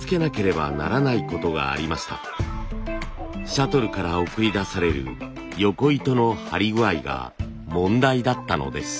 シャトルから送り出されるよこ糸の張り具合が問題だったのです。